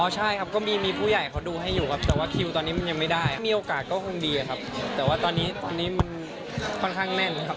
ใช่ครับก็มีผู้ใหญ่เขาดูให้อยู่ครับแต่ว่าคิวตอนนี้มันยังไม่ได้มีโอกาสก็คงดีครับแต่ว่าตอนนี้มันค่อนข้างแน่นครับ